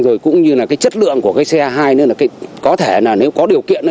rồi cũng như là cái chất lượng của cái xe hai nữa là có thể là nếu có điều kiện